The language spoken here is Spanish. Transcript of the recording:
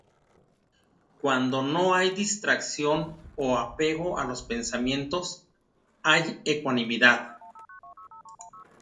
Cuando no hay distracción o apego a los pensamientos, hay ecuanimidad.